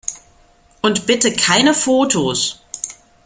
Und bitte keine Fotos!